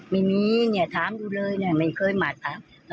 ไม่มีเนี่ยถามอยู่เลยเนี่ยไม่เคยมาถาม